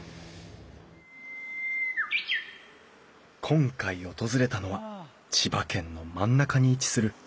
今回訪れたのは千葉県の真ん中に位置する長南町。